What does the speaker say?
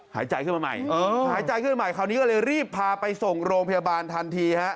หายใจขึ้นมาใหม่คราวนี้ก็เลยรีบพาไปส่งโรงพยาบาลทันที